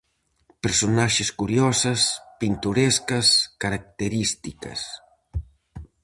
Personaxes curiosas, pintorescas, características...